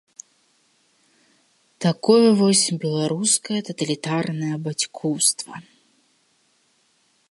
Такое вось беларускае таталітарнае бацькоўства.